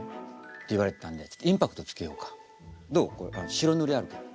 白塗りあるから。